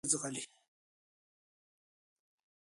ـ پردى بايسکل ښه ځغلي.